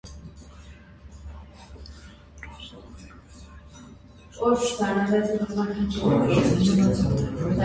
Ռոստովի պետական տնտեսագիտական համալսարանի շրջանատավարտ է։